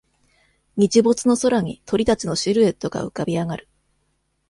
日没の空に鳥たちのシルエットが浮かび上がる